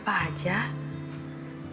selma teh udah bergabung